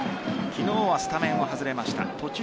昨日はスタメンを外れました。